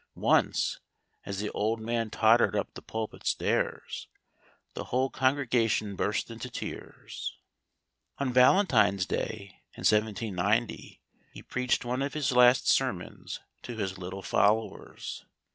Once, as the old man tottered up the pulpit stairs, the whole congregation burst into tears. On Valentine's Day, in 1790, he preached one of his last sermons to his little followers.